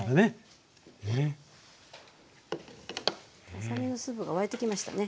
ささ身のスープが沸いてきましたね。